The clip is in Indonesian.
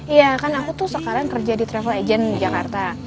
iya kan aku tuh sekarang kerja di travel agent jakarta